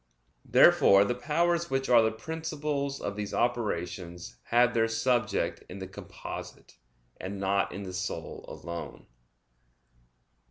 Therefore the powers which are the principles of these operations have their subject in the composite, and not in the soul alone.